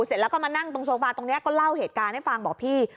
เสร็จแล้วก็มานั่งตรงโซฟาตรงนี้ก็เล่าเหตุการณ์ให้ฟังบอกพี่